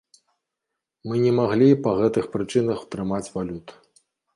Мы не маглі па гэтых прычынах трымаць валюту.